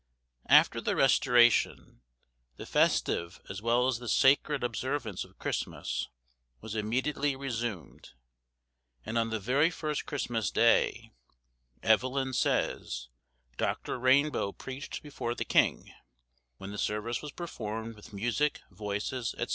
After the Restoration, the festive as well as the sacred observance of Christmas was immediately resumed, and on the very first Christmas Day, Evelyn says, Dr. Rainbow preached before the king, when the service was performed with music, voices, &c.